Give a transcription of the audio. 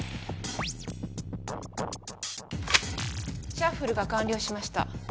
シャッフルが完了しました。